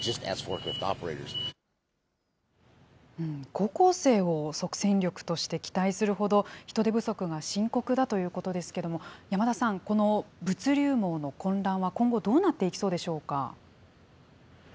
高校生を即戦力として期待するほど、人手不足が深刻だということですけれども、山田さん、この物流網の混乱は今後、どうなっていきそうでしょうか。